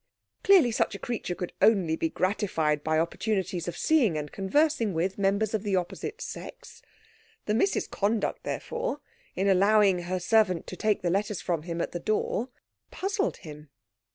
Clearly such a creature could only be gratified by opportunities of seeing and conversing with members of the opposite sex. The Miss's conduct, therefore, in allowing her servant to take the letters from him at the door, puzzled him.